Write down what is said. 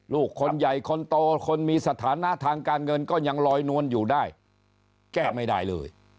ลูกคนใหญ่คนโตคนมีสถานะทางการเงินก็ยังลอยนวลอยู่ได้แก้ไม่ได้เลย